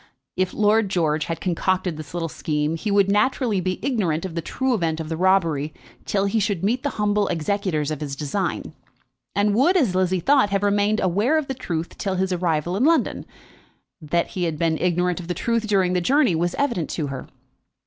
If Lord George had concocted this little scheme, he would naturally be ignorant of the true event of the robbery till he should meet the humble executors of his design, and would, as Lizzie thought, have remained unaware of the truth till his arrival in London. That he had been ignorant of the truth during the journey was evident to her.